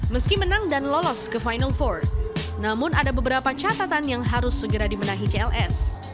meski menang dan lolos ke final empat namun ada beberapa catatan yang harus segera dimenahi cls